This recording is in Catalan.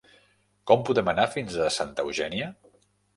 Com podem anar fins a Santa Eugènia?